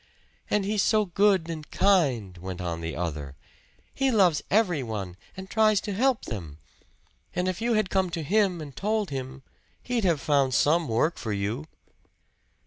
"And he's so good and kind!" went on the other. "He loves everyone, and tries to help them. And if you had come to him and told him, he'd have found some work for you."